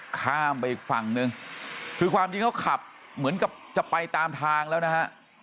ข้ามไปอีกฝั่งนึงคือความจริงเขาขับเหมือนกับจะไปตามทางแล้วนะฮะ